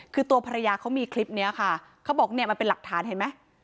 คือตัวภรรยาเขามีคลิปนี้ค่ะเขาบอกเนี่ยมันเป็นหลักฐานเห็นไหม